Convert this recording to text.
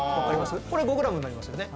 これ５ｇになりますよね。